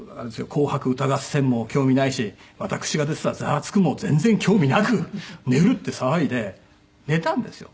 『紅白歌合戦』も興味ないし私が出てた『ザワつく！』も全然興味なく「寝る」って騒いで寝たんですよ。